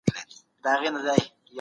ډیپلوماټیک استازي کسان دي.